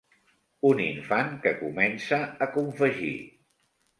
Un infant que comença a confegir.